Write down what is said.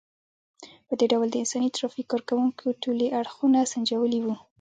په دې ډول د انساني ترافیک کار کوونکو ټولي اړخونه سنجولي وو.